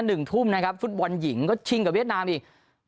หนึ่งทุ่มนะครับฟุตบอลหญิงก็ชิงกับเวียดนามอีก